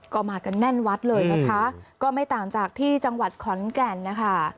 ก็มากันแน่นวัดเลยนะคะก็ไม่ต่างจากที่จังหวัดขอนแก่นนะคะ